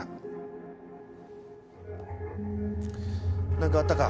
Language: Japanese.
何かあったか？